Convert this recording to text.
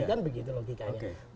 kan begitu logikanya